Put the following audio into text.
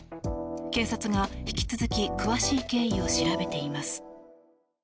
警察が引き続き詳しい経緯を調べています。